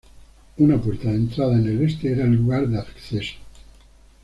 Una puerta de entrada en el este era el lugar de acceso.